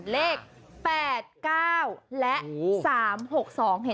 เลข๘๙และ๓๖๒เห็น